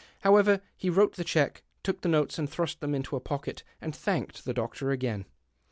However, he wrote the cheque, took the notes and thrust them into a pocket, and thanked the doctor again.